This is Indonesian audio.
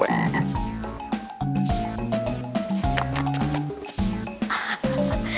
aduh gimana sih ini